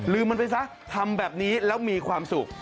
มันไปซะทำแบบนี้แล้วมีความสุข